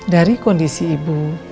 dari kondisi ibu